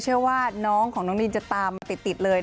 เชื่อว่าน้องของน้องนินจะตามมาติดเลย